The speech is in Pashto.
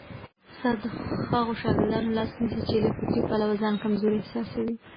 استاد د هغو شاګردانو لاس نیسي چي له فکري پلوه ځان کمزوري احساسوي.